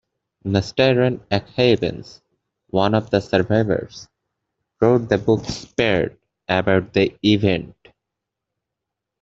Nastaran Akhavan, one of the survivors, wrote the book "Spared" about the event.